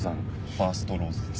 ファーストローズです。